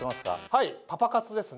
はいパパ活ですね。